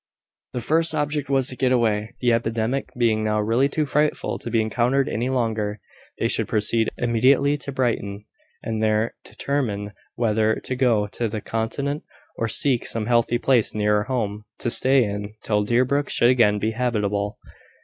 The first object was to get away, the epidemic being now really too frightful to be encountered any longer. They should proceed immediately to Brighton, and there determine whether to go to the Continent, or seek some healthy place nearer home, to stay in, till Deerbrook should again be habitable.